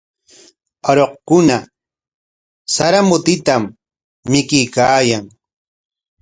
Aruqkuna sara mutitam mikuykaayan.